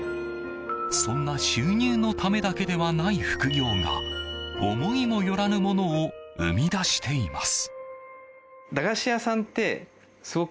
そんな収入のためだけではない副業が思いもよらぬものを生み出しています。